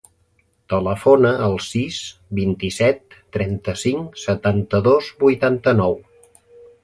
Telefona al sis, vint-i-set, trenta-cinc, setanta-dos, vuitanta-nou.